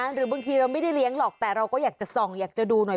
หรือบางทีเราไม่ได้เลี้ยงหรอกแต่เราก็อยากจะส่องอยากจะดูหน่อย